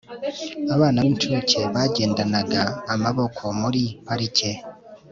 abana b'incuke bagendanaga amaboko muri parike